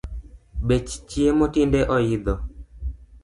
Bech chiemo tinde oidho